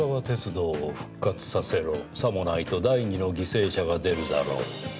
鉄道を復活させろさもないと第２の犠牲者が出るだろう。